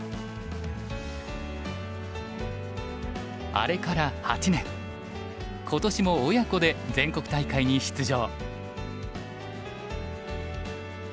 あれから８年今年も親子で全国大会に出場。